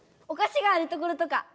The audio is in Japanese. おかしがあるところとか？